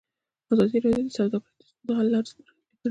ازادي راډیو د سوداګري د ستونزو حل لارې سپارښتنې کړي.